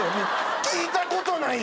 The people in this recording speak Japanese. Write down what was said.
聞いたことないよ！